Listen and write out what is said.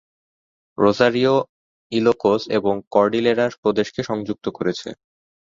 Rosario Ilocos এবং Cordillera প্রদেশকে সংযুক্ত করেছে।